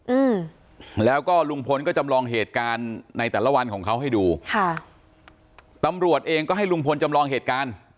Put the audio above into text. อืมแล้วก็ลุงพลก็จำลองเหตุการณ์ในแต่ละวันของเขาให้ดูค่ะตำรวจเองก็ให้ลุงพลจำลองเหตุการณ์